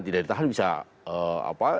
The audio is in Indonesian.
tidak ditahan bisa apa